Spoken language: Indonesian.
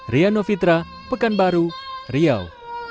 riano fitra pekanbaru riau